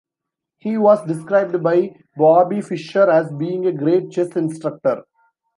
He was described by Bobby Fischer as being a great chess instructor.